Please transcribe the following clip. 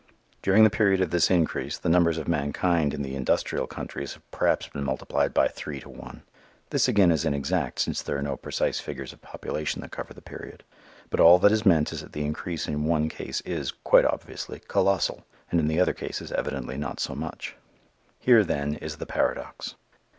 During the period of this increase, the numbers of mankind in the industrial countries have perhaps been multiplied by three to one. This again is inexact, since there are no precise figures of population that cover the period. But all that is meant is that the increase in one case is, quite obviously, colossal, and in the other case is evidently not very much. Here then is the paradox.